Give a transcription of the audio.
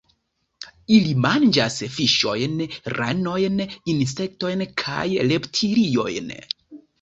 Ili manĝas fiŝojn, ranojn, insektojn kaj reptiliojn.